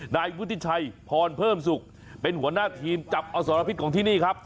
นายวุฒิชัยพรเพิ่มศุกร์เป็นหัวหน้าทีมจับอสรพิษของที่นี่ครับ